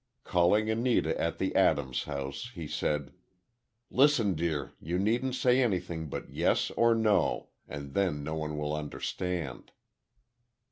Calling Anita at the Adams house, he said, "Listen, dear, you needn't say anything but yes or no, and then no one will understand."